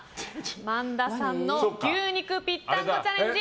萬田さんの牛肉ぴったんこチャレンジ